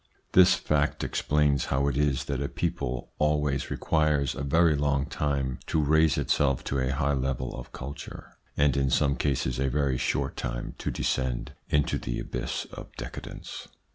This fact ITS INFLUENCE ON THEIR EVOLUTION 213 explains how it is that a people always requires a very long time to raise itself to a high level of culture, and in some cases a very short time to descend into the abyss of decadence.